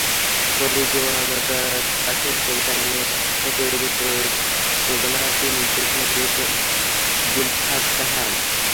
কবি জীবনানন্দ দাশের কবিতা নিয়ে তৈরি প্রযোজনাটি নির্দেশনা দিয়েছেন দিলসাদ জাহান।